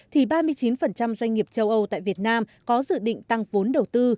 thì ba mươi chín doanh nghiệp châu âu tại việt nam có dự định tăng vốn đầu tư